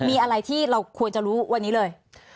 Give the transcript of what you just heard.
มีอะไรที่เราควรจะรู้วันนี้เลย